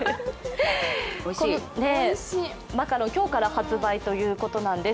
このマカロン、今日から発売ということなんです。